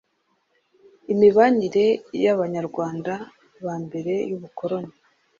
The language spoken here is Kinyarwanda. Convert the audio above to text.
imibanire yabanyarwanda bambere yubukoroni